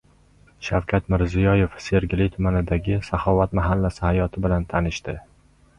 Shavkat Mirziyoyev Sergeli tumanidagi Saxovat mahallasi hayoti bilan tanishdi